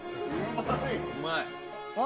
うまい！